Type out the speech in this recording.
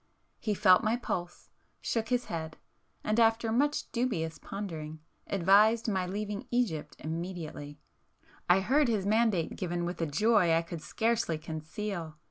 He felt my pulse, shook his head, and after much dubious pondering, advised my leaving Egypt immediately. I heard his mandate given with a joy I could scarcely conceal.